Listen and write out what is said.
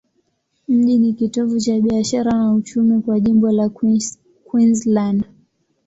Mji ni kitovu cha biashara na uchumi kwa jimbo la Queensland.